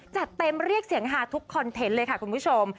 จัดเต็มเรียกเสียงฮาทุกคอนเทนต์เลยค่ะคุณผู้ชม